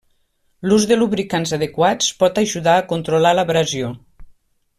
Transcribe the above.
L'ús de lubricants adequats pot ajudar a controlar l'abrasió.